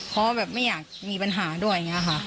เพราะแบบไม่อยากมีปัญหาด้วย